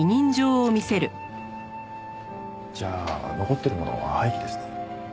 じゃあ残ってるものは廃棄ですね。